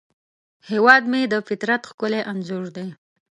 هیواد مې د فطرت ښکلی انځور دی